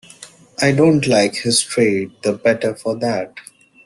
I don't like his trade the better for that.